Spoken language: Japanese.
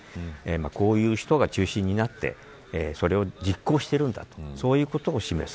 こういう人が中心になってそれを実行しているんだとそういうことを示す